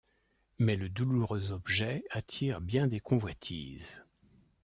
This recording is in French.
Mais le douloureux objet attire bien des convoitises...